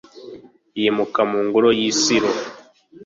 yimuka mu ngoro y'i silo